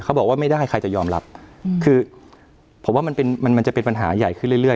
เขาบอกว่าไม่ได้ใครจะยอมรับคือผมว่ามันจะเป็นปัญหาใหญ่ขึ้นเรื่อย